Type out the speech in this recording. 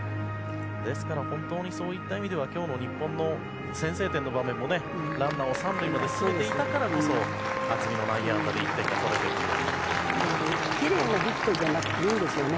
そういった意味では今日の日本の先制点の場面もランナーを３塁まで進めていたからこそ渥美の内野安打で１点取れたんですよね。